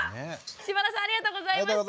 嶋田さんありがとうございました。